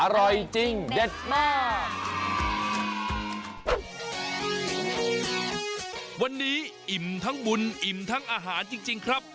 อร่อยจริงเด็ดมาก